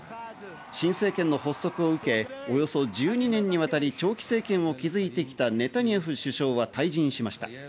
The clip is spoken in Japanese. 新政権の発足を受け、およそ１２年にわたり長期政権を築いてきたネタニヤフ首相は退陣しました。